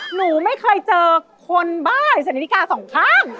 หนูไม่เคยเจอคนบ้ายใส่นาฬิกา๒ข้าง